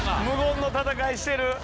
無言の戦いしてる。